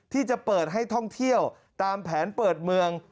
ที่จะเปิดให้ท่องเที่ยวตามแผนเปิดเมือง